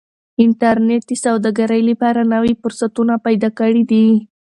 انټرنيټ د سوداګرۍ لپاره نوي فرصتونه پیدا کړي دي.